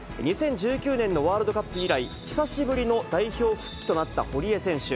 ２０１９年のワールドカップ以来、久しぶりの代表復帰となった堀江選手。